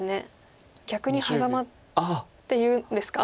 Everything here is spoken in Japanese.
逆にハザマっていうんですか。